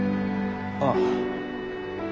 ああ。